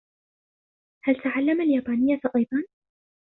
هل تَعَلَمَ اليابانية أيضاً؟